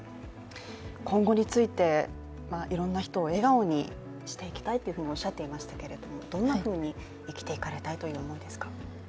今後について、いろいろな人を笑顔にしていきたいとおっしゃっていましたけれども、どんなふうに生きていかれたいという思いですか？